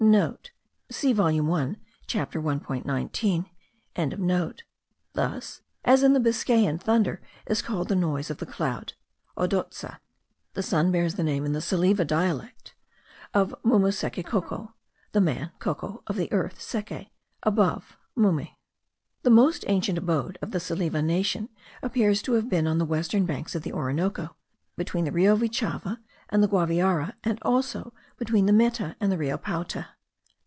* (See volume 1 chapter 1.9.) Thus, as in the Biscayan, thunder is called the noise of the cloud (odotsa); the sun bears the name, in the Salive dialect, of mume seke cocco, the man (cocco) of the earth (seke) above (mume). The most ancient abode of the Salive nation appears to have been on the western banks of the Orinoco, between the Rio Vichada* and the Guaviare, and also between the Meta and the Rio Paute.